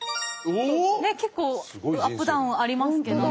結構アップダウンありますけども。